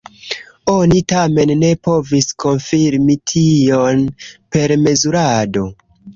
Oni tamen ne povis konfirmi tion per mezurado.